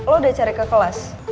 lo udah cari ke kelas